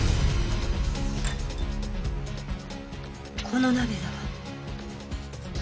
この鍋だわ。